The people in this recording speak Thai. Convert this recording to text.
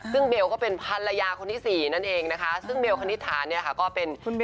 ซึ่งเบลก็เป็นภรรยาคนที่สี่นั่นเองนะคะซึ่งเบลคณิตฐานเนี่ยค่ะก็เป็น